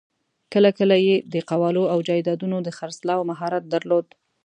کله کله یې د قوالو او جایدادونو د خرڅلاوو مهارت درلود.